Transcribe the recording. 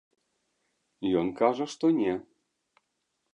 Ён кажа, што не.